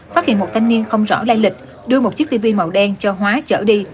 phát hiện một thanh niên không rõ lai lịch đưa một chiếc tv màu đen cho hóa chở đi